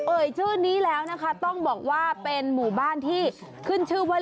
เอ่ยชื่อนี้แล้วนะคะต้องบอกว่าเป็นหมู่บ้านที่ขึ้นชื่อว่า